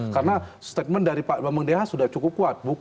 karena statement dari pak bambang deha sudah cukup kuat